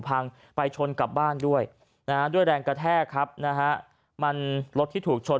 พังไปชนกลับบ้านด้วยนะฮะด้วยแรงกระแทกครับนะฮะมันรถที่ถูกชน